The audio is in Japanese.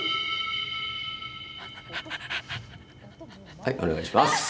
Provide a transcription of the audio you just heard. はい、お願いします。